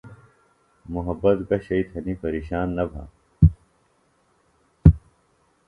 محبت گہ شئی تھنی پریشان نہ بھہ۔